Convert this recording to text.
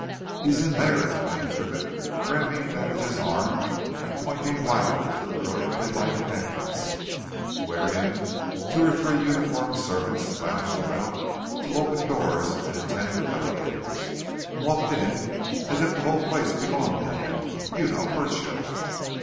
"He's in there!" exclaimed Triffitt, grabbing Davidge's arm and pointing wildly to the brilliantly lighted entrance, wherein two or three uniformed servants lounged about to open doors and attend to elevators. "Walked in as if the whole place belonged to him! You know Burchill!"